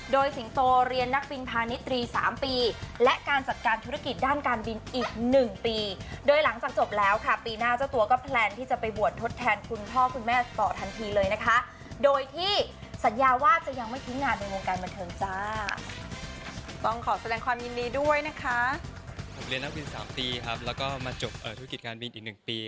โดยสิงโตเรียนนักบินพาณิธรีสามปีและการจัดการธุรกิจด้านการบินอีกหนึ่งปี